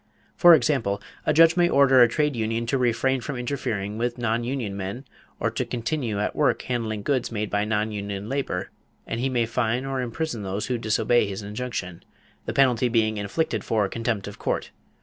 For example, a judge may order a trade union to refrain from interfering with non union men or to continue at work handling goods made by non union labor; and he may fine or imprison those who disobey his injunction, the penalty being inflicted for "contempt of court."